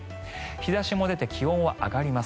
日差しも出て気温は上がります。